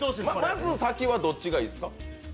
まず先はどっちがいいですか？